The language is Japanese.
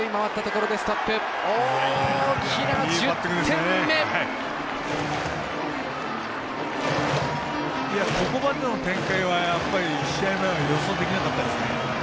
ここまでの展開はやっぱり試合前は予想できなかったですね。